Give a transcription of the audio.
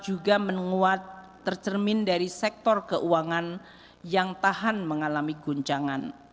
juga menguat tercermin dari sektor keuangan yang tahan mengalami guncangan